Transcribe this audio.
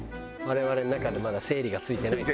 我々の中でまだ整理がついてない。